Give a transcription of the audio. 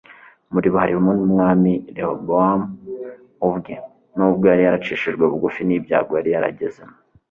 muri bo harimo n'umwami rehobowamu ubwe. nubwo yari yaracishijwe bugufi n'ibyago yari yaragezemo